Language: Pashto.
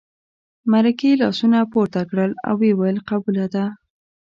مرکې لاسونه پورته کړل او ویې ویل قبوله ده.